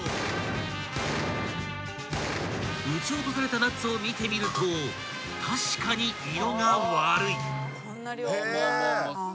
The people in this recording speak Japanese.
［撃ち落とされたナッツを見てみると確かに色が悪い］